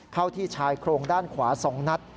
เข้าที่ชายโครงด้านขวา๒นัด